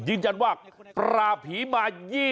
ยืนจันว่าปลาผีมา๒๐ปี